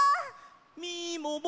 みもも。